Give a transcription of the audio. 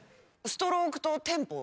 ストロークとテンポ